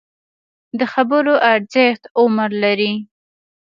د خبرو ارزښت عمر لري